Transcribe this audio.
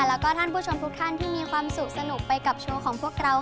แล้วก็ท่านผู้ชมทุกท่านที่มีความสุขสนุกไปกับโชว์ของพวกเรา